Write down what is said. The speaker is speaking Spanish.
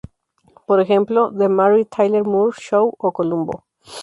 Por ejemplo: "The Mary Tyler Moore Show" o "Columbo".